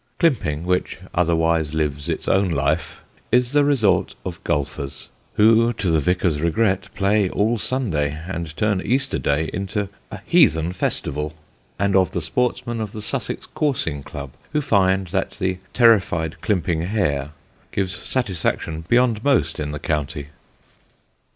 Climping, which otherwise lives its own life, is the resort of golfers (who to the vicar's regret play all Sunday and turn Easter Day into "a Heathen Festival") and of the sportsmen of the Sussex Coursing Club, who find that the terrified Climping hare gives satisfaction beyond most in the county.